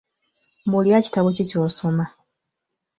Mbuulira kitabo ki ky'osoma?